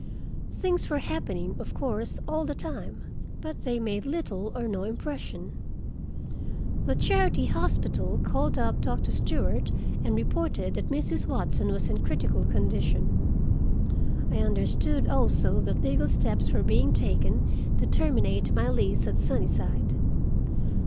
Things were happening, of course, all the time, but they made little or no impression. The Charity Hospital called up Doctor Stewart and reported that Mrs. Watson was in a critical condition. I understood also that legal steps were being taken to terminate my lease at Sunnyside.